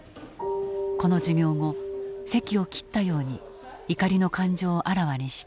この授業後せきを切ったように怒りの感情をあらわにした。